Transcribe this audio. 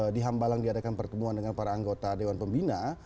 di hambalang diadakan pertemuan dengan para anggota dewan pembina